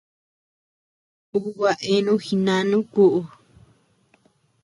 Ú gua eanu jinánu kúʼu.